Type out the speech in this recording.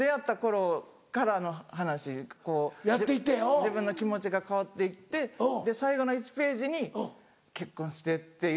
自分の気持ちが変わって行って最後の１ページに「結婚して」っていう。